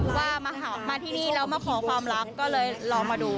ว่ามาที่นี่แล้วมาขอความรักก็เลยลองมาดู